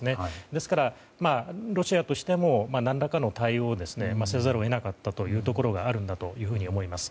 ですから、ロシアとしても何らかの対応をせざるを得なかったところがあるんだろうと思います。